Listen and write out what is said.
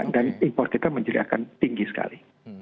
dan impor kita menjadi akan tinggi sekali